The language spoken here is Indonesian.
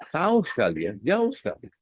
tahu sekali ya jauh sekali